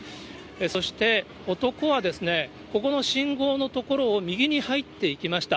そして、男はですね、ここの信号の所を右に入っていきました。